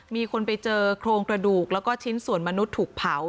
มีคนไปเจอโครงกระดูกแล้วก็ชิ้นส่วนมนุษย์ถูกเผา